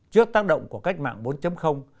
trước tác động của cách mạng bốn